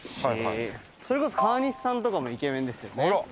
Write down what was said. それこそ川西さんとかもイケメンですよね。